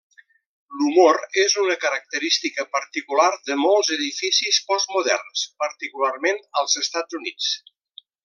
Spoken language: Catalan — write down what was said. L'humor és una característica particular de molts edificis postmoderns, particularment als Estats Units.